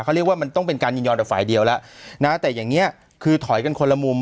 เขาเรียกว่ามันต้องเป็นการยินยอมแต่ฝ่ายเดียวแล้วนะแต่อย่างเงี้ยคือถอยกันคนละมุม